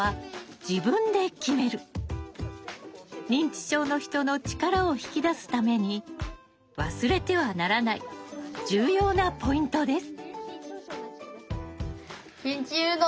認知症の人の力を引き出すために忘れてはならない重要なポイントです。